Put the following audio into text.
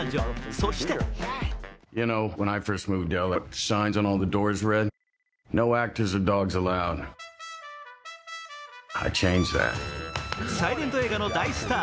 そしてサイレント映画の大スター。